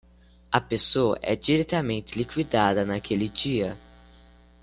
A pessoa é diretamente liquidada naquele dia.